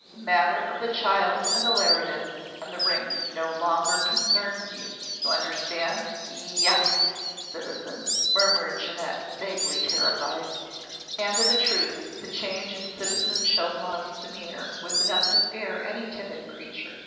"The matter of the child and the Leridans and the ring no longer concerns you. You understand?" "Y y yes, citizen," murmured Jeannette, vaguely terrified. And of a truth the change in citizen Chauvelin's demeanour was enough to scare any timid creature.